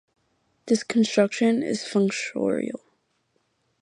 This construction is functorial.